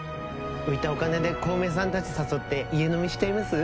浮いたお金で小梅さんたち誘って家飲みしちゃいます？